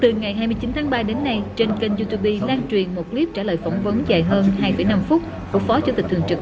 từ ngày hai mươi chín tháng ba đến nay trên kênh youtube lan truyền một clip trả lời phỏng vấn dài hơn hai năm phút của phó chủ tịch thường trực